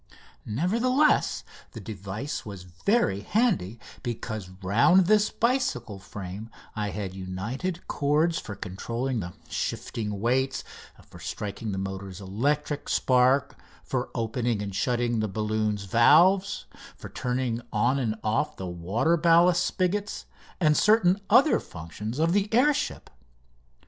Nevertheless, the device was very handy, because round this bicycle frame I had united cords for controlling the shifting weights, for striking the motor's electric spark, for opening and shutting the balloon's valves, for turning on and off the water ballast spigots and certain other functions of the air ship.